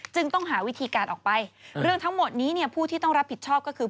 ต้องหาวิธีการออกไปเรื่องทั้งหมดนี้เนี่ยผู้ที่ต้องรับผิดชอบก็คือ